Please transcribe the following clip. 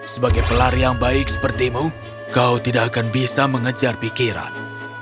sebagai pelari yang baik sepertimu kau tidak akan bisa mengejar pikiran